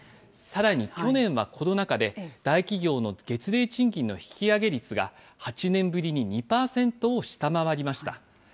さらに去年はコロナ禍で大企業の月例賃金の引き上げ率が８年ぶりに２％を下回りました。